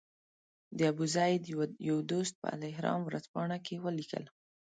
د ابوزید یو دوست په الاهرام ورځپاڼه کې ولیکل.